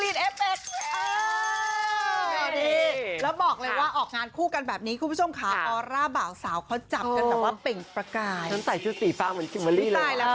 แล้วก็พี่ใครเธอต้องใจจะเป็นคิมเบอร์ลี่